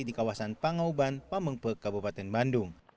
di kawasan pangauban pamengpe kabupaten bandung